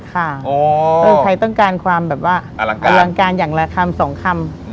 ค่ะอ๋อเออใครต้องการความแบบว่าอลังการอลังการอย่างละคำสองคำ